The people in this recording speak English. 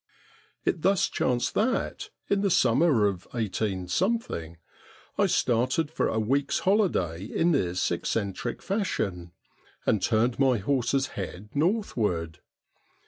It thus chanced that, in the summer of 18 —, I started for a week's holiday in this eccentric fashion, and turned my horse's head northward.